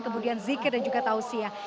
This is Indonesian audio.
kemudian zikir dan juga tausiah